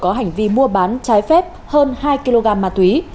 có hành vi mua bán trái phép hơn hai kg ma túy